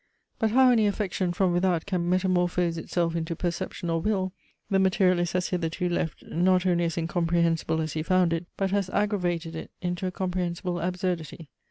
But how any affection from without can metamorphose itself into perception or will, the materialist has hitherto left, not only as incomprehensible as he found it, but has aggravated it into a comprehensible absurdity.